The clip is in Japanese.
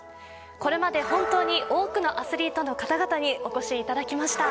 これまで本当に多くのアスリートの方々にお越しいただきました